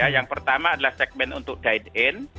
yang pertama adalah segmen untuk guide in